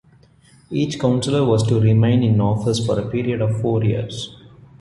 Each councillor was to remain in office for a period of four years.